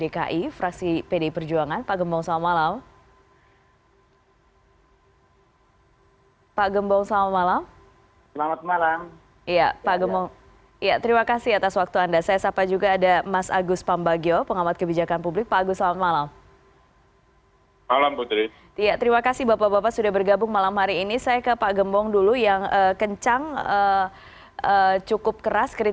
kalau misalnya ada beberapa kebijakan yang saat ini kemudian diperbaiki